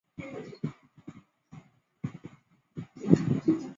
帕基人的主要职业是农业。